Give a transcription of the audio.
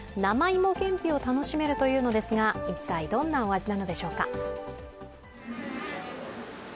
生芋けんぴを楽しめるというのですが一体どんなお味なのでしょうか？